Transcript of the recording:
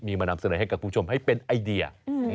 มีมานำเสนอให้กับคุณผู้ชมให้เป็นไอเดีย